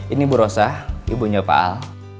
ini bu rosa ibunya paal